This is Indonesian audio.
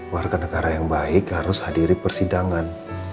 warga negara yang baik harus hadiri persidangan